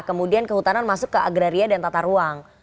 kemudian kehutanan masuk ke agraria dan tata ruang